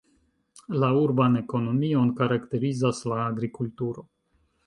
La urban ekonomion karakterizas la agrikulturo.